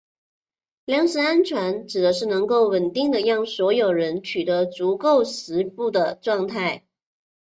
粮食安全指的是能够稳定地让所有人取得足够食物的状态。